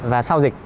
và sau dịch